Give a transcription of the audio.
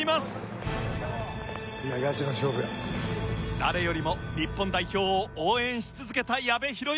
誰よりも日本代表を応援し続けた矢部浩之。